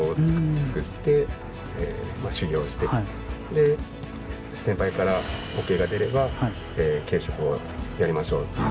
で先輩からＯＫが出れば頸飾をやりましょうっていう。